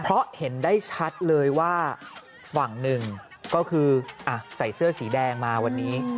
เพราะเห็นได้ชัดเลยว่าฝั่งหนึ่งก็คือใส่เสื้อสีแดงมาวันนี้